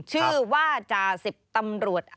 ชื่อว่าจ่าสิบตำรวจ